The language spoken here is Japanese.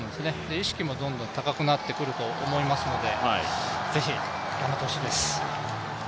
意識もどんどん高くなってくると思いますのでぜひ、頑張ってほしいです。